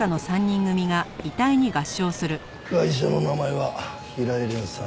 ガイシャの名前は平井蓮３０歳。